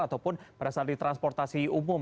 ataupun pada saat di transportasi umum